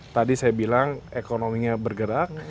tadi saya bilang ekonominya bergerak